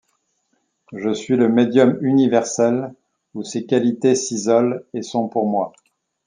Je suis le medium universel où ces qualités s’isolent et sont pour moi.